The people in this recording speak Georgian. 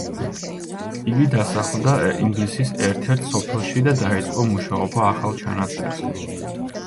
იგი დასახლდა ინგლისის ერთ-ერთ სოფელში და დაიწყო მუშაობა ახალ ჩანაწერზე.